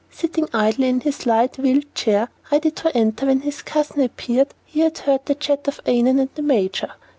Sitting idly in his light, wheeled chair, ready to enter when his cousin appeared, he had heard the chat of Annon and the major.